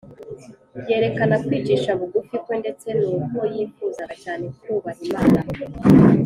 yerekana kwicisha bugufi kwe ndetse n’uko yifuzaga cyane kubaha imana.